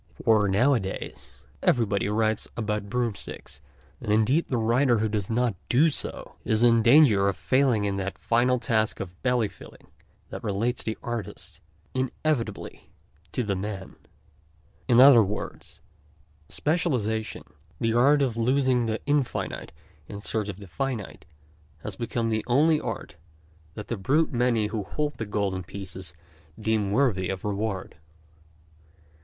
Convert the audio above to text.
For, nowadays, everybody writes about broom sticks, and indeed the writer who does not do so is in danger of failing in that final task of belly filling that relates the artist inevitably to the man. In other words, specialization, the art of losing the infinite in search of the finite, has become the only, art that the brute many who hold the golden pieces deem worthy of reward.